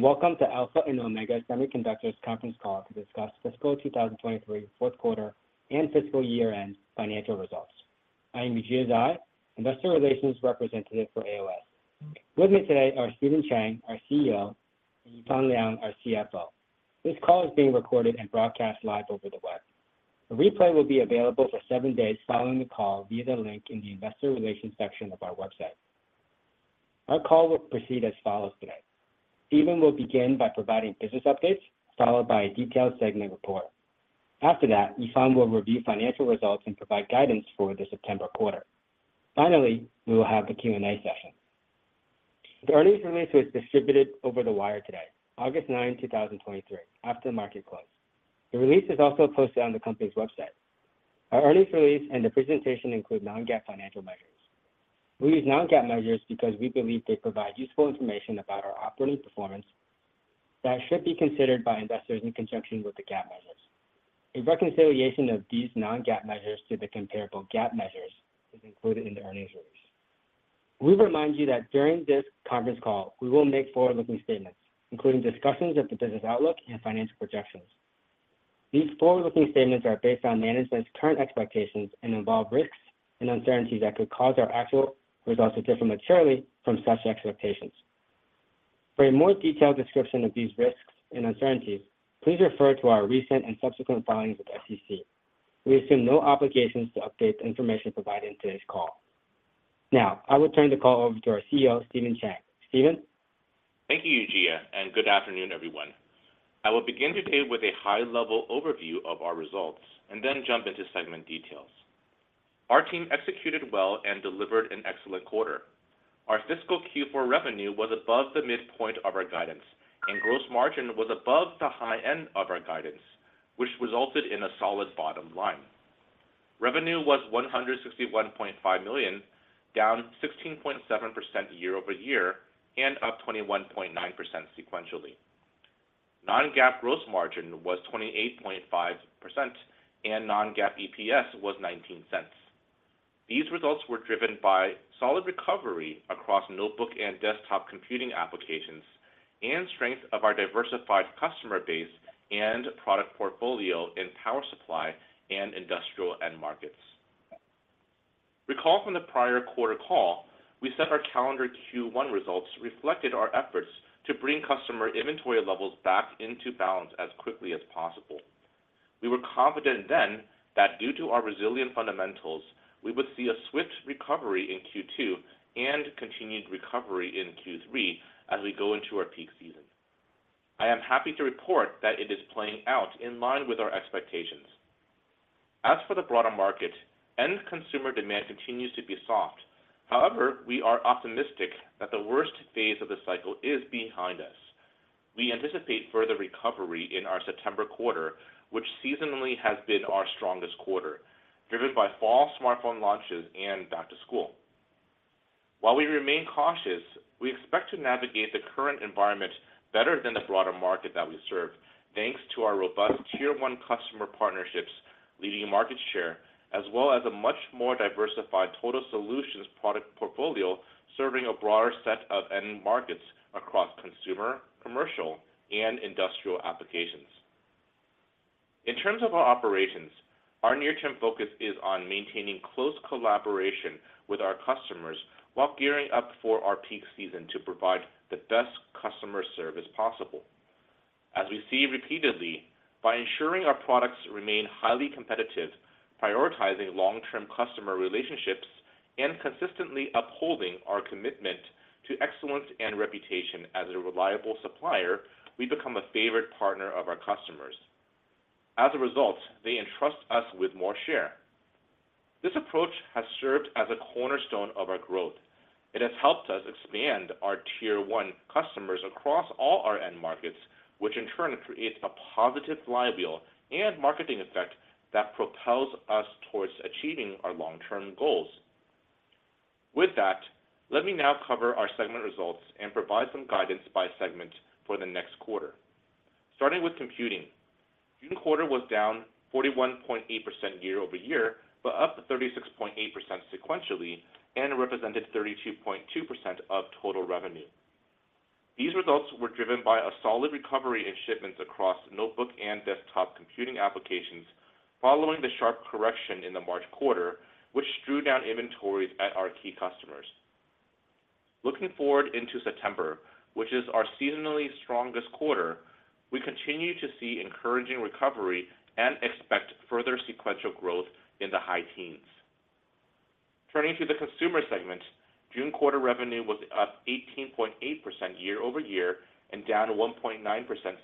Welcome to Alpha and Omega Semiconductor Conference Call to discuss fiscal 2023, fourth quarter and fiscal year-end financial results. I am Yujia Zhai, investor relations representative for AOS. With me today are Stephen Chang, our CEO, and Yifan Liang, our CFO. This call is being recorded and broadcast live over the web. A replay will be available for 7 days following the call via the link in the investor relations section of our website. Our call will proceed as follows today: Stephen will begin by providing business updates, followed by a detailed segment report. After that, Yifan will review financial results and provide guidance for the September quarter. Finally, we will have the Q&A session. The earnings release was distributed over the wire today, August 9, 2023, after the market closed. The release is also posted on the company's website. Our earnings release and the presentation include non-GAAP financial measures. We use non-GAAP measures because we believe they provide useful information about our operating performance that should be considered by investors in conjunction with the GAAP measures. A reconciliation of these non-GAAP measures to the comparable GAAP measures is included in the earnings release. We remind you that during this conference call, we will make forward-looking statements, including discussions of the business outlook and financial projections. These forward-looking statements are based on management's current expectations and involve risks and uncertainties that could cause our actual results to differ materially from such expectations. For a more detailed description of these risks and uncertainties, please refer to our recent and subsequent filings with SEC. We assume no obligations to update the information provided in today's call. Now, I will turn the call over to our CEO, Stephen Chang. Stephen? Thank you, Yujia. Good afternoon, everyone. I will begin today with a high-level overview of our results and then jump into segment details. Our team executed well and delivered an excellent quarter. Our fiscal Q4 revenue was above the midpoint of our guidance, and gross margin was above the high end of our guidance, which resulted in a solid bottom line. Revenue was $161.5 million, down 16.7% year-over-year, and up 21.9 sequentially. Non-GAAP gross margin was 28.5%, and non-GAAP EPS was $0.19. These results were driven by solid recovery across notebook and desktop computing applications, and strength of our diversified customer base and product portfolio in power supply and industrial end markets. Recall from the prior quarter call, we said our calendar Q1 results reflected our efforts to bring customer inventory levels back into balance as quickly as possible. We were confident then that due to our resilient fundamentals, we would see a swift recovery in Q2 and continued recovery in Q3 as we go into our peak season. I am happy to report that it is playing out in line with our expectations. As for the broader market, end consumer demand continues to be soft. However, we are optimistic that the worst phase of the cycle is behind us. We anticipate further recovery in our September quarter, which seasonally has been our strongest quarter, driven by fall smartphone launches and back to school. While we remain cautious, we expect to navigate the current environment better than the broader market that we serve, thanks to our robust Tier one customer partnerships, leading market share, as well as a much more diversified total solutions product portfolio, serving a broader set of end markets across consumer, commercial, and industrial applications. In terms of our operations, our near-term focus is on maintaining close collaboration with our customers while gearing up for our peak season to provide the best customer service possible. As we see repeatedly, by ensuring our products remain highly competitive, prioritizing long-term customer relationships, and consistently upholding our commitment to excellence and reputation as a reliable supplier, we become a favorite partner of our customers. As a result, they entrust us with more share. This approach has served as a cornerstone of our growth. It has helped us expand our Tier one customers across all our end markets, which in turn creates a positive flywheel and marketing effect that propels us towards achieving our long-term goals. With that, let me now cover our segment results and provide some guidance by segment for the next quarter. Starting with computing. June quarter was down 41.8% year-over-year, but up 36.8% sequentially, and represented 32.2% of total revenue. These results were driven by a solid recovery in shipments across notebook and desktop computing applications, following the sharp correction in the March quarter, which drew down inventories at our key customers. Looking forward into September, which is our seasonally strongest quarter, we continue to see encouraging recovery and expect further sequential growth in the high teens. Turning to the consumer segment, June quarter revenue was up 18.8% year-over-year and down 1.9%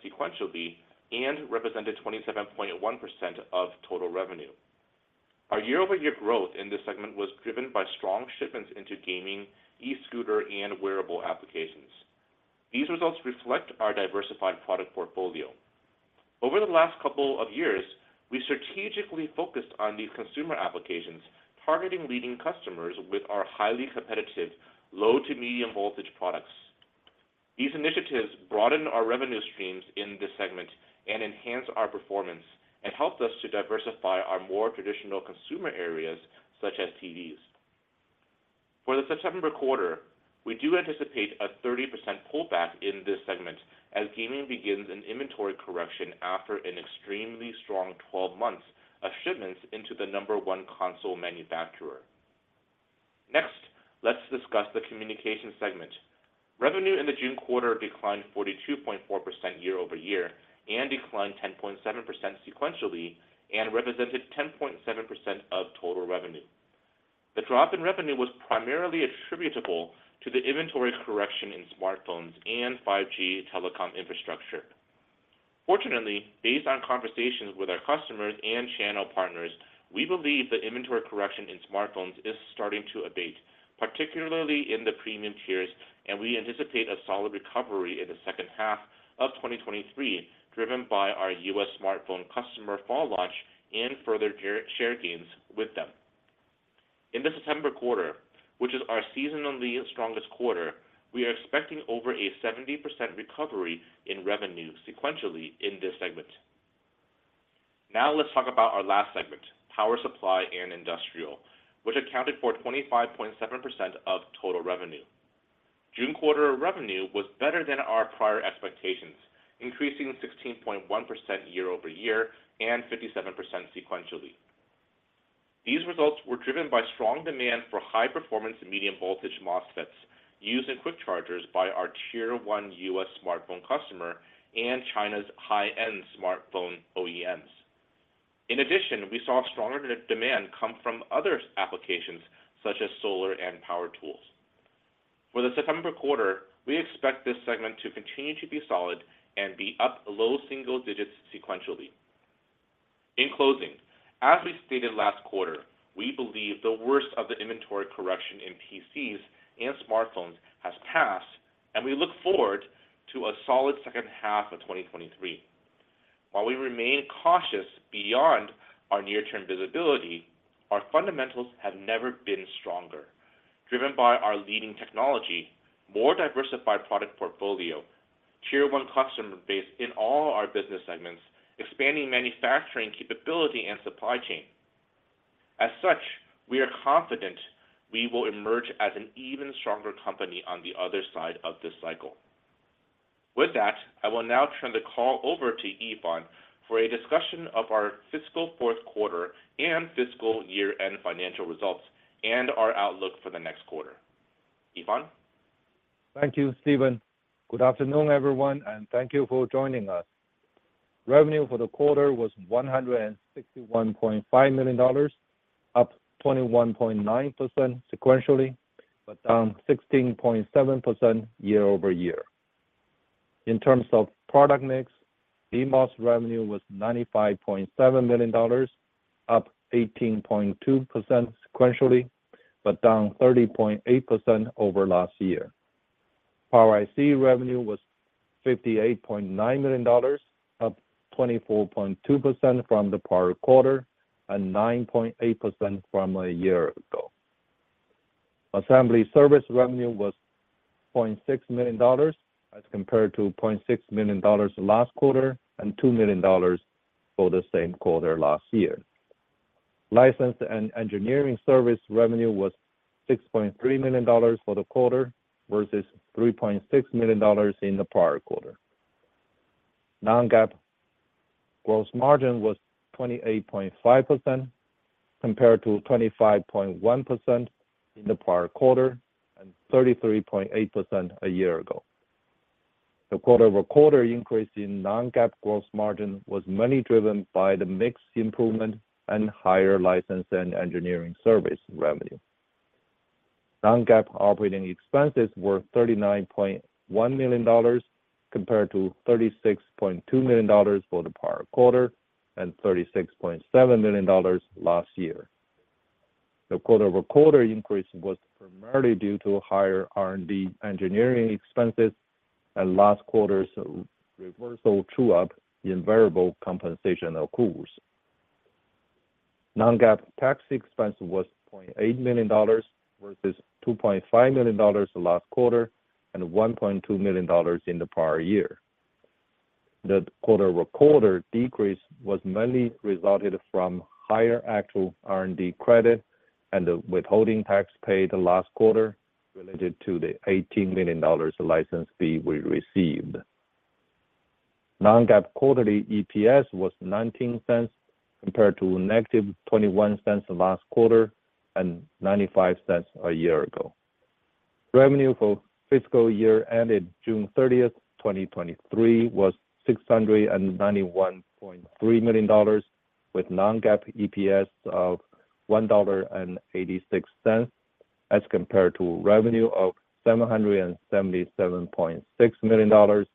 sequentially, and represented 27.1% of total revenue. Our year-over-year growth in this segment was driven by strong shipments into gaming, e-scooter, and wearable applications. These results reflect our diversified product portfolio. Over the last couple of years, we strategically focused on these consumer applications, targeting leading customers with our highly competitive, low to medium voltage products. These initiatives broaden our revenue streams in this segment and enhance our performance, and helped us to diversify our more traditional consumer areas, such as TVs. For the September quarter, we do anticipate a 30% pullback in this segment as gaming begins an inventory correction after an extremely strong 12 months of shipments into the number one console manufacturer. Next, let's discuss the communication segment. Revenue in the June quarter declined 42.4% year-over-year and declined 10.7% sequentially, represented 10.7% of total revenue. The drop in revenue was primarily attributable to the inventory correction in smartphones and 5G telecom infrastructure. Fortunately, based on conversations with our customers and channel partners, we believe the inventory correction in smartphones is starting to abate, particularly in the premium tiers, we anticipate a solid recovery in the second half of 2023, driven by our U.S. smartphone customer fall launch and further share gains with them. In the September quarter, which is our seasonally strongest quarter, we are expecting over a 70% recovery in revenue sequentially in this segment. Let's talk about our last segment, power supply and industrial, which accounted for 25.7% of total revenue. June quarter revenue was better than our prior expectations, increasing 16.1% year-over-year and 57% sequentially. These results were driven by strong demand for high performance and medium voltage MOSFETs, used in quick chargers by our Tier one U.S. smartphone customer and China's high-end smartphone OEMs. In addition, we saw stronger demand come from other applications such as solar and power tools. For the September quarter, we expect this segment to continue to be solid and be up low single digits sequentially. In closing, as we stated last quarter, we believe the worst of the inventory correction in PCs and smartphones has passed, and we look forward to a solid second half of 2023. While we remain cautious beyond our near-term visibility, our fundamentals have never been stronger, driven by our leading technology, more diversified product portfolio, Tier one customer base in all our business segments, expanding manufacturing capability and supply chain. As such, we are confident we will emerge as an even stronger company on the other side of this cycle. With that, I will now turn the call over to Yifan for a discussion of our fiscal fourth quarter and fiscal year-end financial results and our outlook for the next quarter. Yifan? Thank you, Stephen. Good afternoon, everyone, thank you for joining us. Revenue for the quarter was $161.5 million, up 21.9% sequentially, down 16.7% year-over-year. In terms of product mix, DMOS revenue was $95.7 million, up 18.2% sequentially, down 30.8% over last year. Power IC revenue was $58.9 million, up 24.2% from the prior quarter and 9.8% from a year ago. Assembly service revenue was $0.6 million, as compared to $0.6 million last quarter and $2 million for the same quarter last year. License and engineering service revenue was $6.3 million for the quarter, versus $3.6 million in the prior quarter. Non-GAAP gross margin was 28.5%, compared to 25.1% in the prior quarter and 33.8% a year ago. The quarter-over-quarter increase in non-GAAP gross margin was mainly driven by the mix improvement and higher license and engineering service revenue. Non-GAAP operating expenses were $39.1 million, compared to $36.2 million for the prior quarter and $36.7 million last year. The quarter-over-quarter increase was primarily due to higher R&D engineering expenses and last quarter's reversal true-up in variable compensation accruals. Non-GAAP tax expense was $0.8 million, versus $2.5 million last quarter and $1.2 million in the prior year. The quarter-over-quarter decrease was mainly resulted from higher actual R&D credit and the withholding tax paid last quarter related to the $18 million license fee we received. Non-GAAP quarterly EPS was $0.19, compared to -$0.21 last quarter and $0.95 a year ago. Revenue for fiscal year ended June 30th, 2023, was $691.3 million, with non-GAAP EPS of $1.86, as compared to revenue of $777.6 million and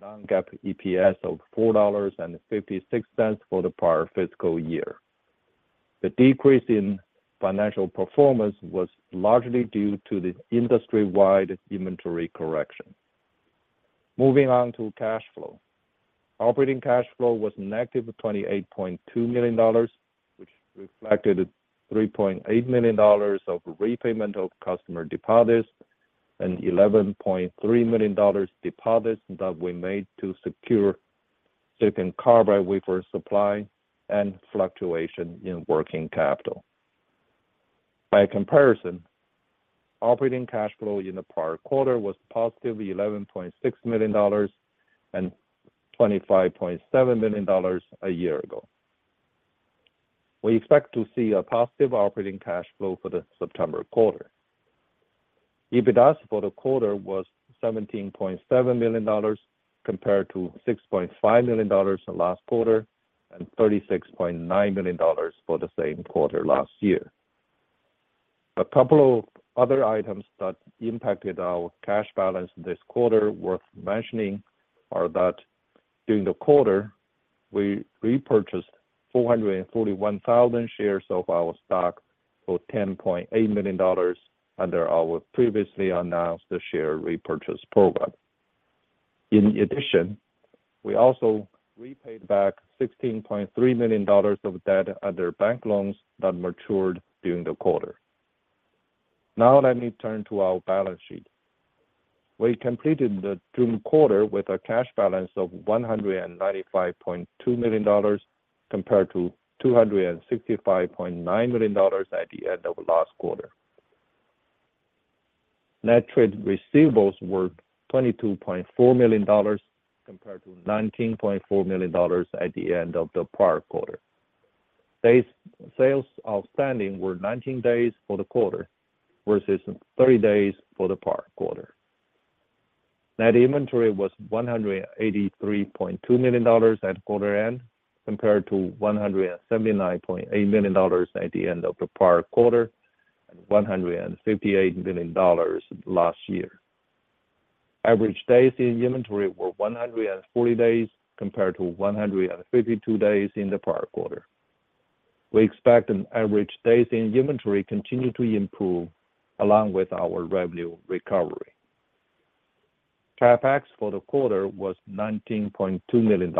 non-GAAP EPS of $4.56 for the prior fiscal year. The decrease in financial performance was largely due to the industry-wide inventory correction. Moving on to cash flow. Operating cash flow was negative $28.2 million, which reflected $3.8 million of repayment of customer deposits and $11.3 million deposits that we made to secure...... silicon carbide wafer supply and fluctuation in working capital. By comparison, operating cash flow in the prior quarter was positively $11.6 million and $25.7 million a year ago. We expect to see a positive operating cash flow for the September quarter. EBITDA for the quarter was $17.7 million, compared to $6.5 million the last quarter, and $36.9 million for the same quarter last year. A couple of other items that impacted our cash balance this quarter worth mentioning, are that during the quarter, we repurchased 441,000 shares of our stock for $10.8 million under our previously announced share repurchase program. In addition, we also repaid back $16.3 million of debt under bank loans that matured during the quarter. Now let me turn to our balance sheet. We completed the June quarter with a cash balance of $195.2 million, compared to $265.9 million at the end of last quarter. Net trade receivables were $22.4 million, compared to $19.4 million at the end of the prior quarter. Days sales outstanding were 19 days for the quarter, versus 30 days for the prior quarter. Net inventory was $183.2 million at quarter end, compared to $179.8 million at the end of the prior quarter, and $158 million last year. Average days in inventory were 140 days, compared to 152 days in the prior quarter. We expect an average days in inventory continue to improve along with our revenue recovery. CapEx for the quarter was $19.2 million.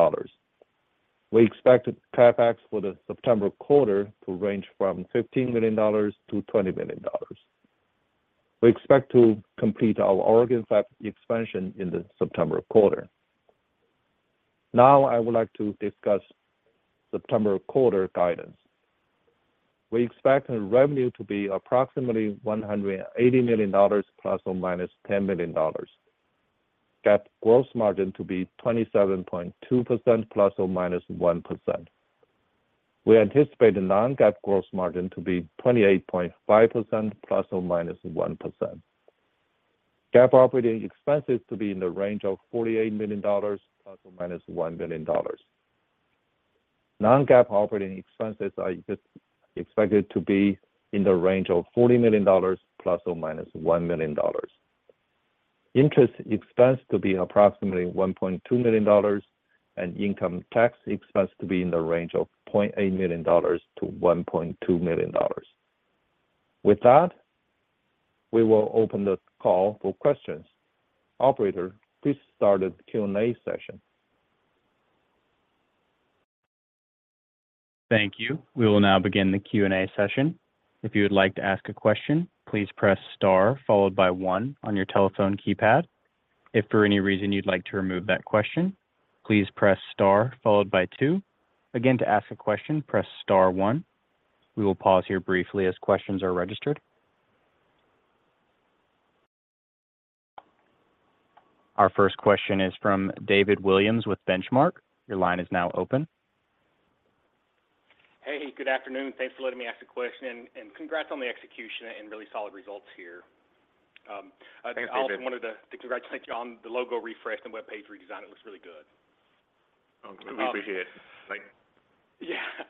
We expected CapEx for the September quarter to range from $15 million-$20 million. We expect to complete our Oregon factory expansion in the September quarter. I would like to discuss September quarter guidance. We expect the revenue to be approximately $180 million, ±$10 million. GAAP gross margin to be 27.2%, ±1%. We anticipate the non-GAAP gross margin to be 28.5%, ±1%. GAAP operating expenses to be in the range of $48 million, ±$1 million. Non-GAAP operating expenses are expected to be in the range of $40 million, ±$1 million. Interest expense to be approximately $1.2 million, and income tax expense to be in the range of $0.8 million-$1.2 million. With that, we will open the call for questions. Operator, please start the Q&A session. Thank you. We will now begin the Q&A session. If you would like to ask a question, please press Star, followed by one on your telephone keypad. If for any reason you'd like to remove that question, please press Star, followed by two. Again, to ask a question, press Star one. We will pause here briefly as questions are registered. Our first question is from David Williams with Benchmark. Your line is now open. Hey, good afternoon. Thanks for letting me ask a question, and, and congrats on the execution and really solid results here. Thanks, David. I also wanted to, to congratulate you on the logo refresh and web page redesign. It looks really good. We appreciate it. Thank you. Yeah.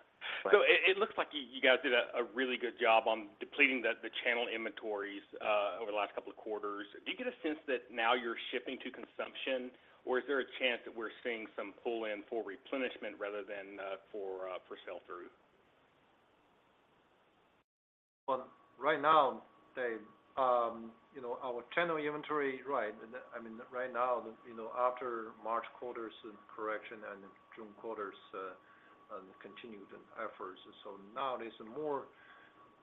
It, it looks like you, you guys did a, a really good job on depleting the, the channel inventories, over the last couple of quarters. Do you get a sense that now you're shipping to consumption, or is there a chance that we're seeing some pull-in for replenishment rather than, for, for sell through? Well, right now, Dave, you know, our channel inventory, right, I mean, right now, you know, after March quarter's correction and June quarter's on the continued efforts. Now there's more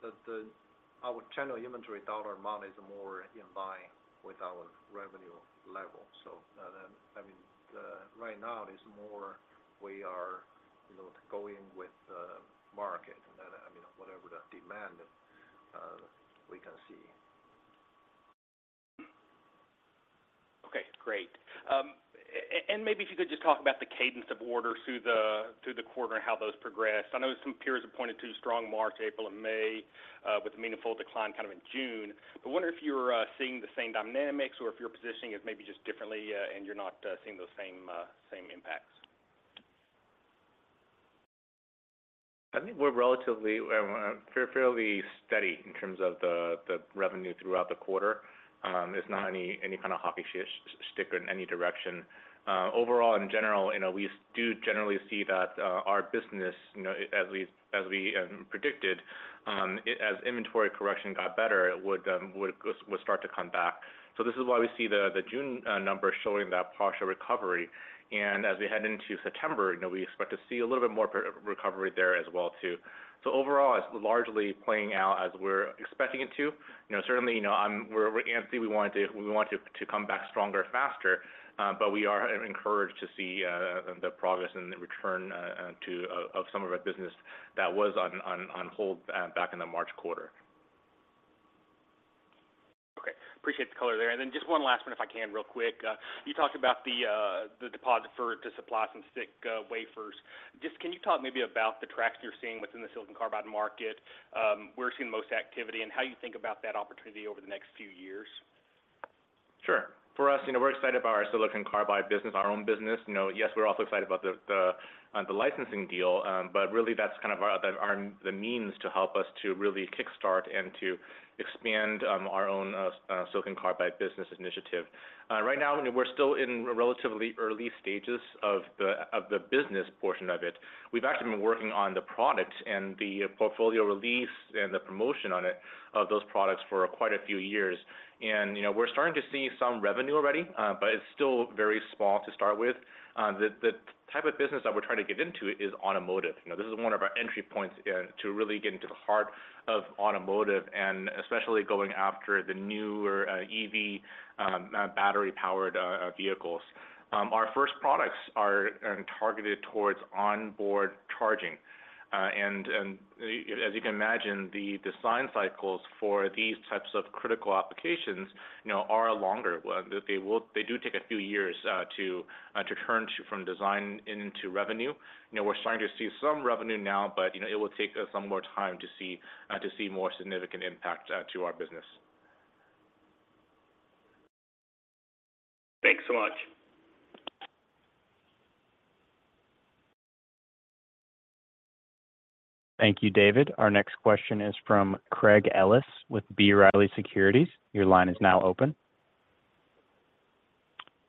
our channel inventory dollar amount is more in line with our revenue level. I mean, right now it is more we are, you know, going with the market, and, I mean, whatever the demand we can see. Okay, great. Maybe if you could just talk about the cadence of orders through the, through the quarter and how those progressed. I know some peers have pointed to strong March, April and May, with a meaningful decline kind of in June. I wonder if you're seeing the same dynamics or if your positioning is maybe just differently, and you're not seeing those same, same impacts. I think we're relatively fairly steady in terms of the revenue throughout the quarter. There's not any, any kind of hockey stick in any direction. Overall, in general, you know, we do generally see that our business, you know, as we, as we predicted, as inventory correction got better, it would, would, would start to come back. This is why we see the June numbers showing that partial recovery. As we head into September, you know, we expect to see a little bit more recovery there as well, too. Overall, it's largely playing out as we're expecting it to. You know, certainly, you know, we're antsy, we want it to, we want it to come back stronger, faster, but we are encouraged to see the progress and the return, to of some of our business that was on, on, on hold, back in the March quarter. ... appreciate the color there. Then just one last one, if I can, real quick. You talked about the the deposit for to supply some thick, wafers. Just can you talk maybe about the traction you're seeing within the silicon carbide market, where you're seeing the most activity, and how you think about that opportunity over the next few years? Sure. For us, you know, we're excited about our silicon carbide business, our own business. You know, yes, we're also excited about the, the, the licensing deal, but really that's kind of our, the, our, the means to help us to really kickstart and to expand, our own, silicon carbide business initiative. Right now, we're still in relatively early stages of the, of the business portion of it. We've actually been working on the product and the portfolio release and the promotion on it, of those products for quite a few years. You know, we're starting to see some revenue already, but it's still very small to start with. The, the type of business that we're trying to get into is automotive. You know, this is one of our entry points to really get into the heart of automotive, and especially going after the newer EV battery-powered vehicles. Our first products are targeted towards onboard charging. As you can imagine, the design cycles for these types of critical applications, you know, are longer. They will-- they do take a few years to turn to from design into revenue. You know, we're starting to see some revenue now, but, you know, it will take some more time to see to see more significant impact to our business. Thanks so much. Thank you, David. Our next question is from Craig Ellis with B. Riley Securities. Your line is now open.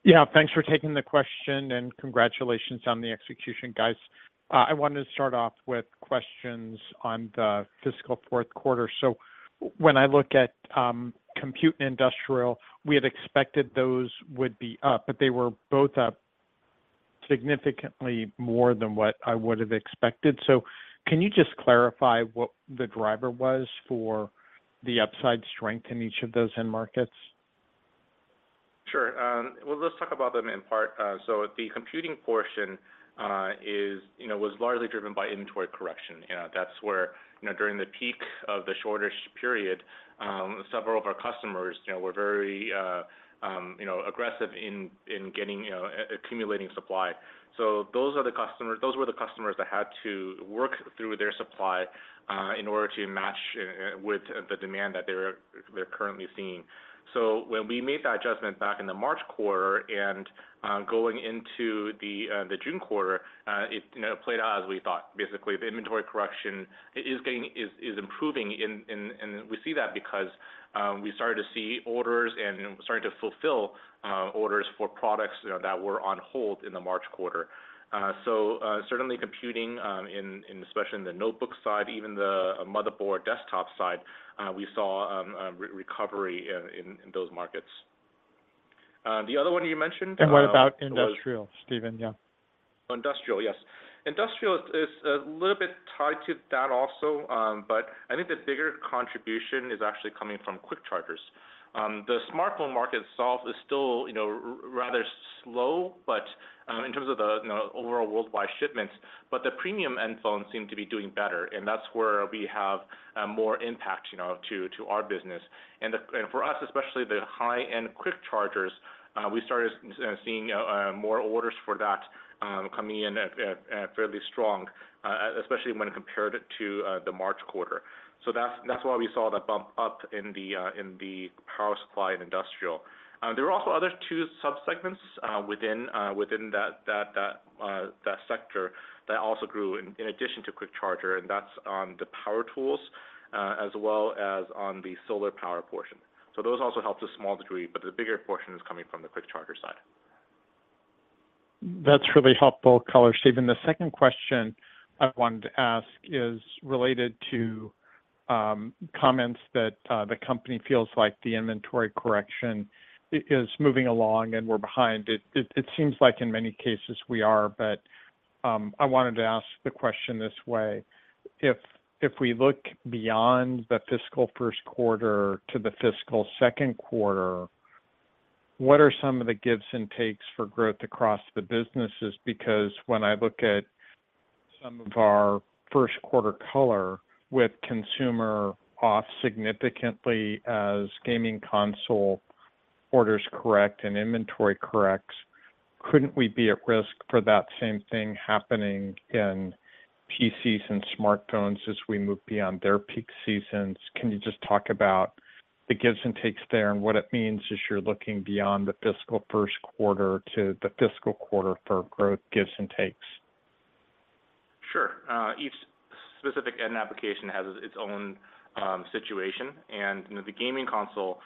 Yeah, thanks for taking the question, and congratulations on the execution, guys. I wanted to start off with questions on the fiscal fourth quarter. When I look at compute and industrial, we had expected those would be up, but they were both up significantly more than what I would have expected. Can you just clarify what the driver was for the upside strength in each of those end markets? Sure. Well, let's talk about them in part. The computing portion is, you know, was largely driven by inventory correction. You know, that's where, you know, during the peak of the shortage period, several of our customers, you know, were very, you know, aggressive in, in getting, you know, accumulating supply. Those were the customers that had to work through their supply in order to match with the demand that they're currently seeing. When we made that adjustment back in the March quarter and going into the June quarter, it, you know, played out as we thought. Basically, the inventory correction is getting, is improving, and we see that because we started to see orders and starting to fulfill orders for products, you know, that were on hold in the March quarter. Certainly computing, in especially in the notebook side, even the motherboard desktop side, we saw a re-recovery in those markets. The other one you mentioned- What about industrial, Stephen? Yeah. Industrial, yes. Industrial is a little bit tied to that also, I think the bigger contribution is actually coming from quick chargers. The smartphone market itself is still, you know, rather slow, in terms of the, you know, overall worldwide shipments, the premium end phones seem to be doing better, and that's where we have more impact, you know, to, to our business. For us, especially the high-end quick chargers, we started seeing more orders for that, coming in at, at, at fairly strong, especially when compared it to the March quarter. That's, that's why we saw the bump up in the in the power supply and industrial. There are also other two subsegments, within that, that, that, that sector that also grew in, in addition to quick charger, and that's on the power tools, as well as on the solar power portion. Those also helped a small degree, but the bigger portion is coming from the quick charger side. That's really helpful color, Steven. The second question I wanted to ask is related to comments that the company feels like the inventory correction is moving along and we're behind. It seems like in many cases we are, but I wanted to ask the question this way: If, if we look beyond the fiscal first quarter to the fiscal second quarter, what are some of the gives and takes for growth across the businesses? Because when I look at some of our first quarter color with consumer off significantly as gaming console orders correct and inventory corrects, couldn't we be at risk for that same thing happening in PCs and smartphones as we move beyond their peak seasons? Can you just talk about the gives and takes there and what it means as you're looking beyond the fiscal first quarter to the fiscal quarter for growth gives and takes? Sure. Each specific end application has its own situation. You know, the gaming console,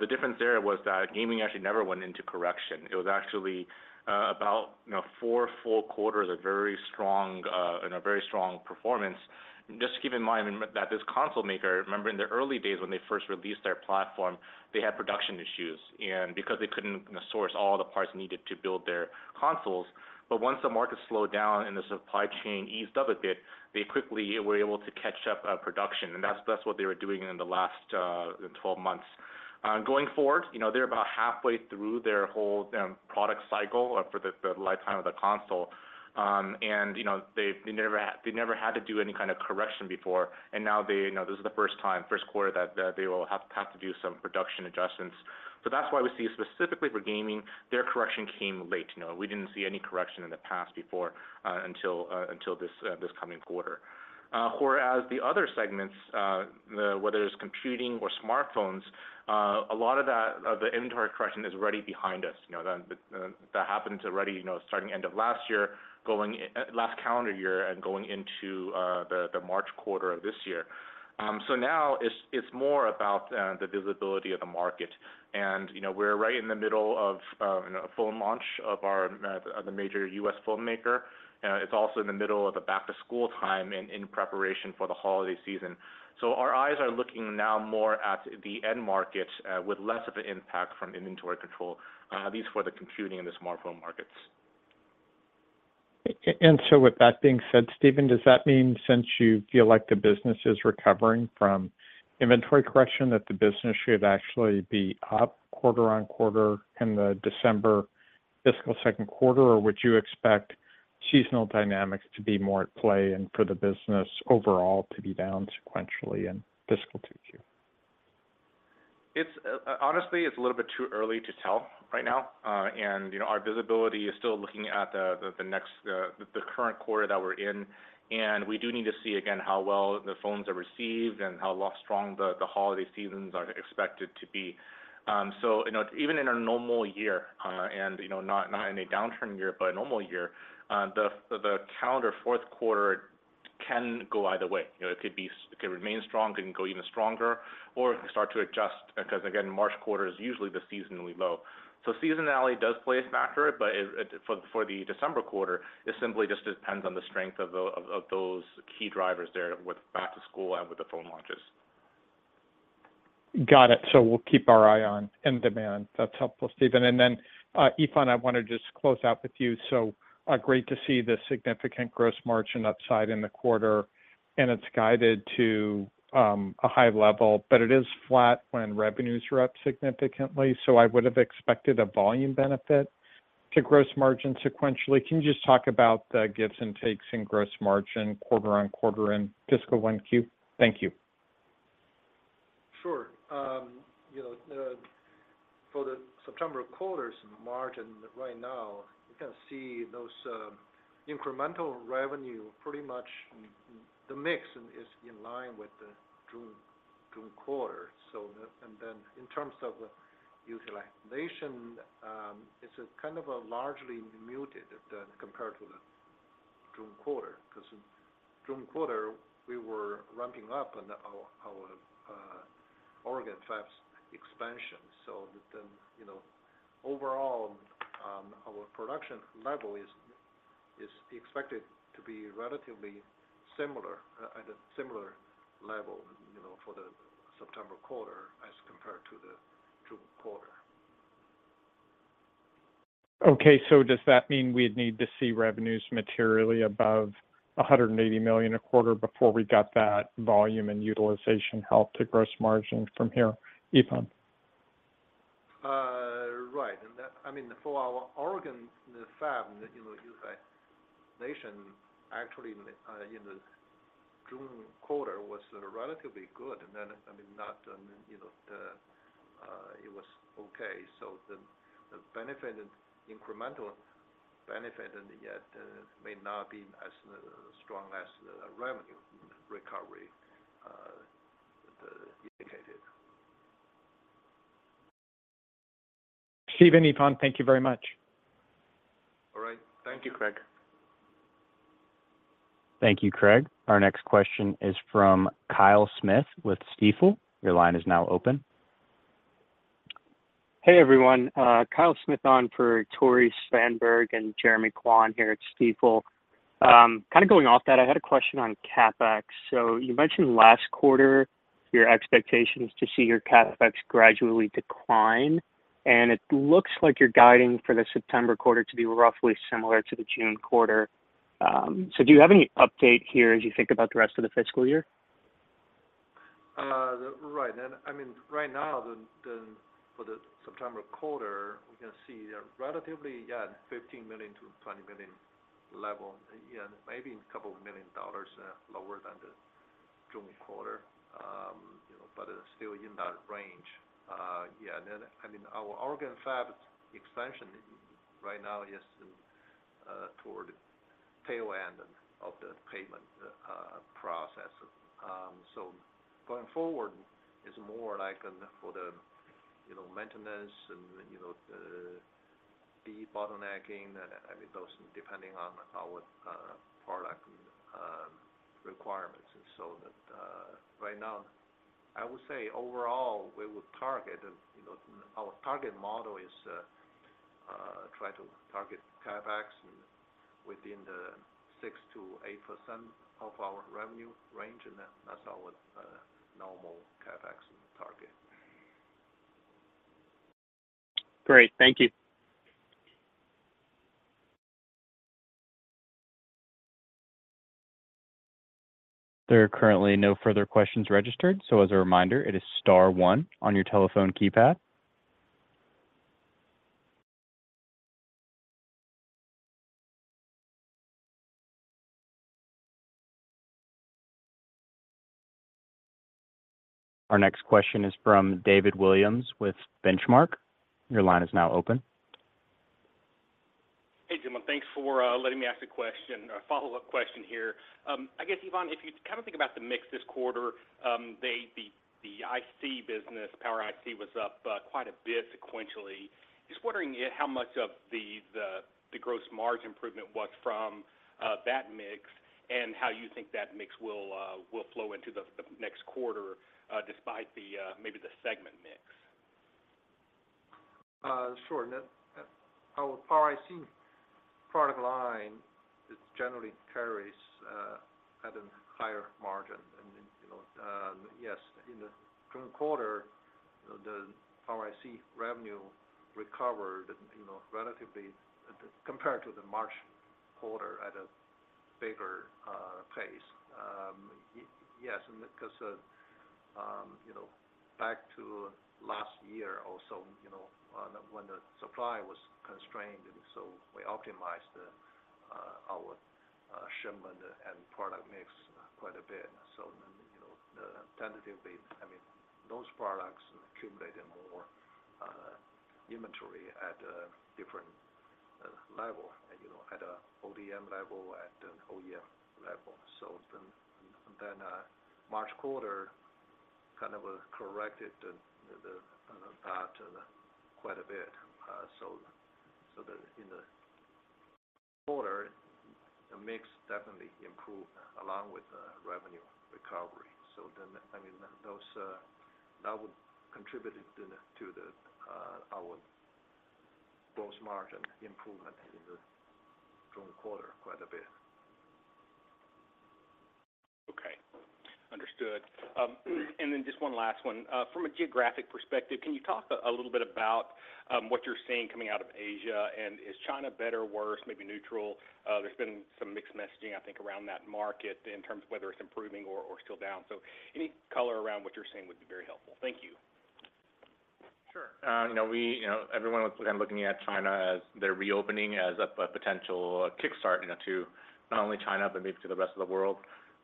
the difference there was that gaming actually never went into correction. It was actually about, you know, four full quarters of very strong and a very strong performance. Just keep in mind that this console maker, remember, in the early days when they first released their platform, they had production issues, and because they couldn't source all the parts needed to build their consoles. Once the market slowed down and the supply chain eased up a bit, they quickly were able to catch up production, and that's, that's what they were doing in the last 12 months. Going forward, you know, they're about halfway through their whole product cycle or for the lifetime of the console. You know, they've, they never had to do any kind of correction before, and now they, you know, this is the first time, first quarter that they will have to do some production adjustments. That's why we see specifically for gaming, their correction came late. You know, we didn't see any correction in the past before, until this coming quarter. Whereas the other segments, whether it's computing or smartphones, a lot of the inventory correction is already behind us. You know, that happened already, you know, starting end of last year, going last calendar year and going into the March quarter of this year. Now it's, it's more about the visibility of the market. You know, we're right in the middle of, you know, a phone launch of our, the major U.S. phonemaker. It's also in the middle of the back to school time and in preparation for the holiday season. Our eyes are looking now more at the end market, with less of an impact from inventory control, at least for the computing and the smartphone markets. With that being said, Stephen, does that mean since you feel like the business is recovering from inventory correction, that the business should actually be up quarter-over-quarter in the December fiscal second quarter? Or would you expect seasonal dynamics to be more at play and for the business overall to be down sequentially in fiscal two Q? It's honestly, it's a little bit too early to tell right now. You know, our visibility is still looking at the, the, the next, the, the current quarter that we're in, and we do need to see again, how well the phones are received and how well strong the, the holiday seasons are expected to be. You know, even in a normal year, and, you know, not, not in a downturn year, but a normal year, the, the calendar fourth quarter can go either way. You know, it could be, it could remain strong and go even stronger or start to adjust, because again, March quarter is usually the seasonally low. Seasonality does play a factor, but for the December quarter, it simply just depends on the strength of those key drivers there with back to school and with the phone launches. Got it. We'll keep our eye on end demand. That's helpful, Stephen. Yifan, I want to just close out with you. Great to see the significant gross margin upside in the quarter, and it's guided to a high level, but it is flat when revenues are up significantly. I would have expected a volume benefit to gross margin sequentially. Can you just talk about the gives and takes in gross margin, quarter-over-quarter in fiscal 1Q? Thank you. Sure. You know, the, for the September quarters margin right now, you can see those incremental revenue, pretty much the mix is in line with the June quarter. Then in terms of the utilization, it's a kind of a largely muted compared to the June quarter, because in June quarter we were ramping up on our, our Oregon fabs expansion. You know, overall, our production level is, is expected to be relatively similar, at a similar level, you know, for the September quarter as compared to the June quarter. Okay, does that mean we'd need to see revenues materially above $180 million a quarter before we got that volume and utilization help to gross margin from here, Yifan? Right. That, I mean, for our Oregon, the fab, you know, utilization, actually, in the June quarter was relatively good, and then, I mean, not, you know, the, it was okay. The, the benefit, incremental benefit, and yet, may not be as strong as the revenue recovery indicated. Stephen, Yifan, thank you very much. All right. Thank you, Craig. Thank you, Craig. Our next question is from Kyle Smith with Stifel. Your line is now open. Hey, everyone, Kyle Smith on for Tore Svanberg and Jeremy Kwan here at Stifel. Kind of going off that, I had a question on CapEx. You mentioned last quarter your expectations to see your CapEx gradually decline, and it looks like you're guiding for the September quarter to be roughly similar to the June quarter. Do you have any update here as you think about the rest of the fiscal year? Right. I mean, right now, the, the, for the September quarter, we can see a relatively, yeah, $15 million-$20 million level, yeah, maybe $2 million lower than the June quarter. You know, it's still in that range. Yeah, then, I mean, our Oregon fab expansion right now is toward the tail end of the payment process. Going forward, it's more like, for the, you know, maintenance and, you know, the, the bottlenecking, and I mean, those depending on our product requirements. That, right now, I would say overall, we would target, you know, our target model is try to target CapEx within the 6%-8% of our revenue range, and that's our normal CapEx target. Great. Thank you. ... There are currently no further questions registered, so as a reminder, it is star one on your telephone keypad. Our next question is from David Williams with Benchmark. Your line is now open. Hey, Jim, thanks for letting me ask a question. A follow-up question here. I guess, Yifan, if you kind of think about the mix this quarter, the IC business, Power IC, was up quite a bit sequentially. Just wondering how much of the gross margin improvement was from that mix, and how you think that mix will flow into the next quarter, despite the maybe the segment mix? Sure. That, our Power IC product line is generally carries at a higher margin. You know, yes, in the current quarter, the Power IC revenue recovered, you know, relatively, compared to the March quarter, at a bigger pace. Yes, because, you know, back to last year or so, you know, when the supply was constrained, so we optimized the our shipment and product mix quite a bit. You know, the tentatively, I mean, those products accumulated more inventory at a different level, you know, at a ODM level, at an OEM level. March quarter kind of corrected the that quite a bit. The, in the quarter, the mix definitely improved, along with the revenue recovery. I mean, those, that would contributed to the, to the, our gross margin improvement in the June quarter quite a bit. Okay, understood. Then just one last one. From a geographic perspective, can you talk a little bit about what you're seeing coming out of Asia? Is China better, worse, maybe neutral? There's been some mixed messaging, I think, around that market in terms of whether it's improving or, or still down. Any color around what you're seeing would be very helpful. Thank you. Sure. You know, we, you know, everyone was again looking at China as they're reopening as a potential kickstart, you know, to not only China, but maybe to the rest of the world.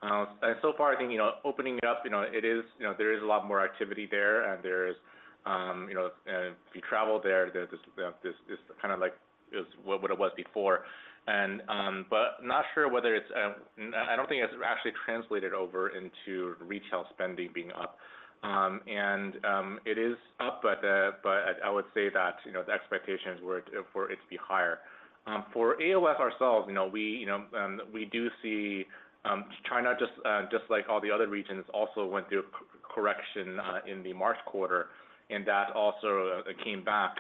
So far, I think, you know, opening it up, you know, it is. You know, there is a lot more activity there, and there is, you know, if you travel there, there's this, this, this kind of like, is what it was before. But not sure whether it's, I, I don't think it's actually translated over into retail spending being up. It is up, but, but I, I would say that, you know, the expectations were for it to be higher. For AOS ourselves, you know, we, you know, we do see China, just like all the other regions, also went through a correction in the March quarter, and that also came back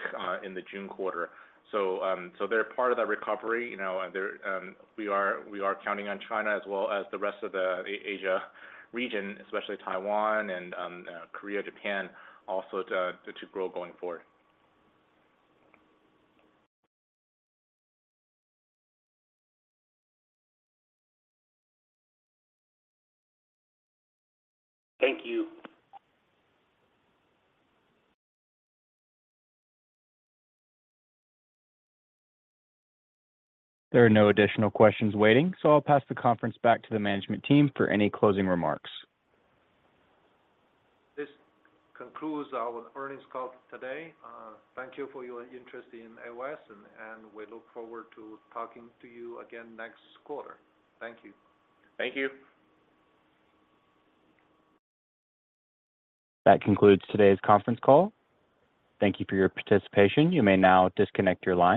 in the June quarter. So they're part of that recovery, you know, and there, we are, we are counting on China as well as the rest of the Asia region, especially Taiwan and Korea, Japan, also to, to grow going forward. Thank you. There are no additional questions waiting, so I'll pass the conference back to the management team for any closing remarks. This concludes our earnings call today. Thank you for your interest in AOS, and we look forward to talking to you again next quarter. Thank you. Thank you. That concludes today's conference call. Thank you for your participation. You may now disconnect your line.